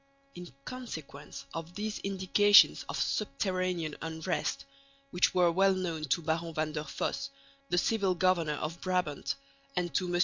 _ In consequence of these indications of subterranean unrest, which were well known to Baron van der Fosse, the civil governor of Brabant, and to M.